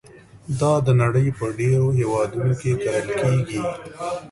دا د نړۍ په ډېرو هېوادونو کې کرل کېږي.